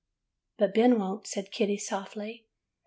" 'But Ben won't,' said Kitty, softly.